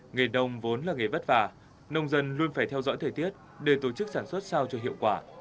nghề đông vốn là nghề vất vả nông dân luôn phải theo dõi thời tiết để tổ chức sản xuất sao cho hiệu quả